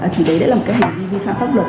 chỉ đấy là một hành vi vi phạm pháp luật